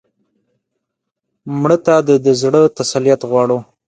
مړه ته د زړه تسلیت غواړو